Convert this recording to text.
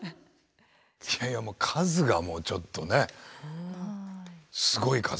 いやいやもう数がもうちょっとねすごい数ですねこれ。